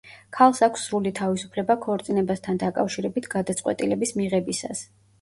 ქალს აქვს სრული თავისუფლება ქორწინებასთან დაკავშირებით გადაწყვეტილების მიღებისას.